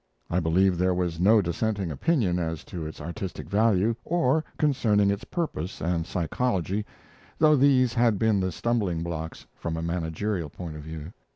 I believe there was no dissenting opinion as to its artistic value, or concerning its purpose and psychology, though these had been the stumbling blocks from a managerial point of view.